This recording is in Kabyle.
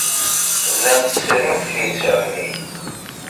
Llant srint litteɛ-nni.